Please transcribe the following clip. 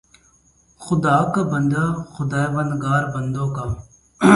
خدا کا بندہ، خداوندگار بندوں کا